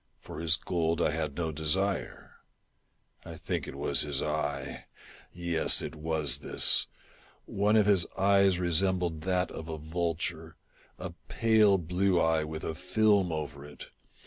For his gold I had no desire. I think it was his eye ! yes, it was this ! One of his eyes re sembled that of a vulture — a pale blue eye, with a film over it.